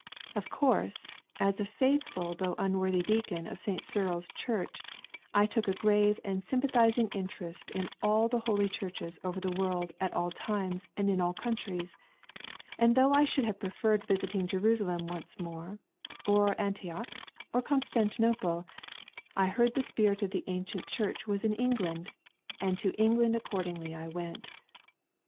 Of course, as a faithful though unworthy deacon of St. Cyril's Church, I took a grave and Bynipa thising interest in all the holy Churchea over the world at all times and in all countries ; and though I should have preferred visiting Jerusalem once more, or Antioch, or Constantinople, I heard the spirit of the Ancient Chui ch was in England, and to England accordingly I went.